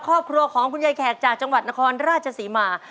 ครอบครัวของคุณยายแขกจากจังหวัดนครราชศรีมา